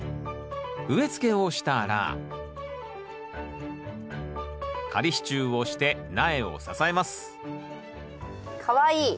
植えつけをしたら仮支柱をして苗を支えますかわいい。